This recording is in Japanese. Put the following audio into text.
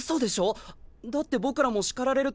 だって僕らも叱られる時名前を。